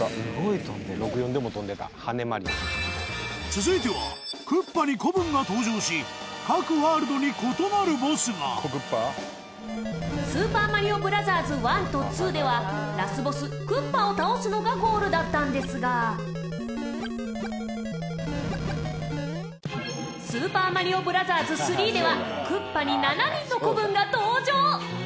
続いてはクッパに子分が登場し各ワールドに異なるボスが『スーパーマリオブラザーズ１』と『２』ではラスボス、クッパを倒すのがゴールだったんですが『スーパーマリオブラザーズ３』では有野：子クッパじゃないのよね。